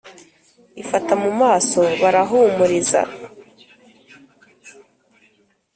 Ifata mu maso barahumiriza!